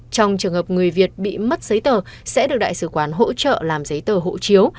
trong trường hợp người việt bị mất giấy tờ sẽ được đại sứ quán hỗ trợ làm giấy tờ hộ chiếu